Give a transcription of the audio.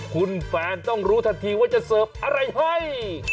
คุณแฟนต้องรู้ทันทีว่าจะเสิร์ฟอะไรให้